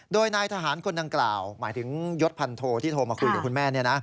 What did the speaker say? โดยนายทหารคนดังกล่าวหมายถึงยศพันโทที่โทรมาคุยกับคุณแม่